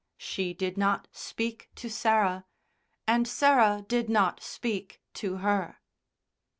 She did not speak to Sarah, and Sarah did not speak to her.